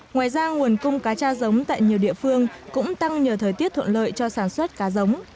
ngoài ra nguồn cung cá cha giống tại nhiều địa phương cũng tăng nhờ thời tiết thuận lợi cho sản xuất cá giống